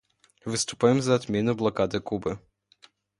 Выступаем за отмену блокады Кубы.